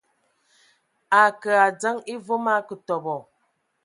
A ngaake a adzəŋ e voom a akǝ tɔbɔ.